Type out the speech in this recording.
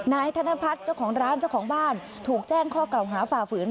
นายธนพัฒน์เจ้าของร้านเจ้าของบ้านถูกแจ้งข้อกล่าวหาฝ่าฝืน